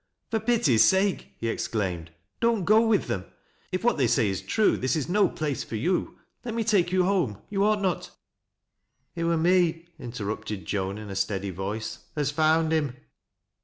"For pity's sake," he exclaimed, " don't go with them If what they say is true, this is no place for you. Let irn> take you home. You ought not "" It wur me," interrupted Joan, in a steady voice, " af found him."